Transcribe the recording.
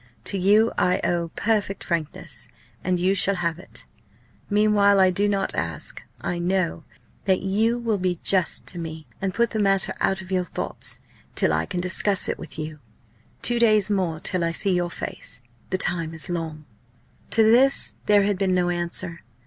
To you I owe perfect frankness, and you shall have it. Meanwhile I do not ask I know that you will be just to me, and put the matter out of your thoughts till I can discuss it with you. Two days more till I see your face! The time is long!" To this there had been no answer.